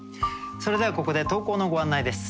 それではここで投稿のご案内です。